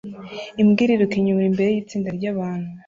Imbwa iriruka inyura imbere yitsinda ryabantu